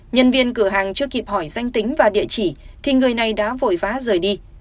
nhân viên cửa hàng chưa kịp hỏi danh tính và địa chỉ thì người này đã vội vã rời đi